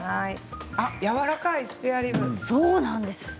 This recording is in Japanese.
やわらかい、スペアリブ。